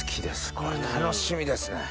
これ楽しみですね。